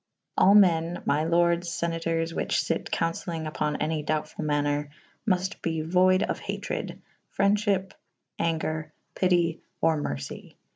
All men my lordes Senatoures whiche fyt cou«cellyng vpon any doubtful! maner / mufte be voyde of hatred / fre^dfhyppe / anger / pitye / or mercye.